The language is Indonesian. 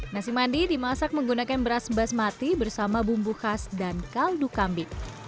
nasi mandi dimasak menggunakan beras basmati bersama bumbu khas dan kaldu kambing